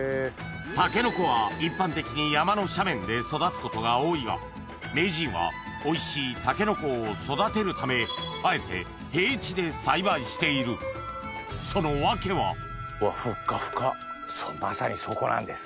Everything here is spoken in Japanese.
タケノコは一般的に山の斜面で育つことが多いが名人はおいしいタケノコを育てるためあえて平地で栽培しているその訳はまさにそこなんです。